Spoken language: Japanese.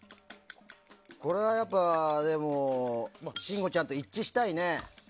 これはやっぱり信五ちゃんと一致したいね。